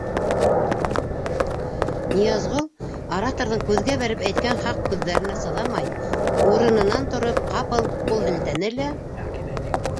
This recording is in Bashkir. Ныязгол, ораторҙың күҙгә бәреп әйткән хаҡ һүҙҙәренә сыҙамай, урынынан тороп, ҡапыл ҡул һелтәне лә: